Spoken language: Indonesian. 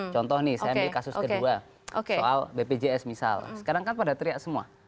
contoh nih saya ambil kasus kedua soal bpjs misal sekarang kan pada teriak semua